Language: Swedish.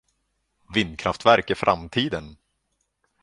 Vindkraftverk är framtiden!